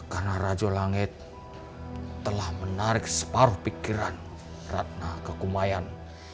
karena raja langit telah menarik separuh pikiran ratna kekumayan